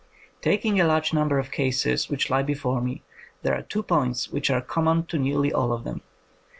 Taking a large number of cases which lie before me, there are two points which are common to nearly all of them.